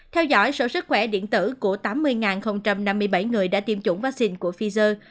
theo dõi sở sức khỏe điện tử của tám mươi năm mươi bảy người đã tiêm chủng vaccine của pfizer